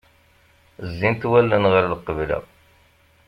Zzint wallen ɣer lqebla.